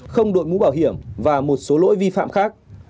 không đội mũ bảo hiểm và một số lỗi vi phạm khác